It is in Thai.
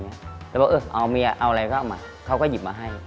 ประก็เอาเมียเอาอะไรก็เอามาเค้าก็หยิบมาให้